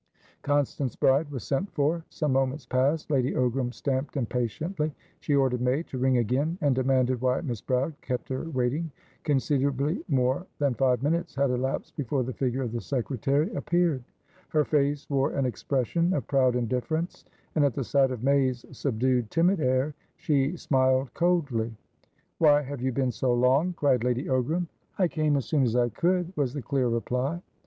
Constance Bride was sent for. Some moments passed; Lady Ogram stamped impatiently. She ordered May to ring again, and demanded why Miss Bride kept her waiting. Considerably more than five minutes had elapsed before the figure of the secretary appeared: her face wore an expression of proud indifference, and at the sight of May's subdued, timid air, she smiled coldly. "Why have you been so long?" cried Lady Ogram. "I came as soon as I could," was the clear reply.